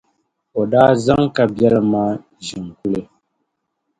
o daa zaŋ kabiɛlim maa ʒi n-kuli.